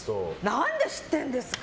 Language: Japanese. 何で知ってるんですか！